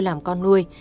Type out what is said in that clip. làm con nuôi